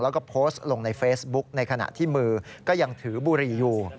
แล้วก็โพสต์ลงในเฟซบุ๊กในขณะที่มือก็ยังถือบุหรี่อยู่